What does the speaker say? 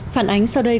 phản ánh sau đây